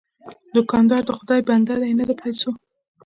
دوکاندار د خدای بنده دی، نه د پیسو.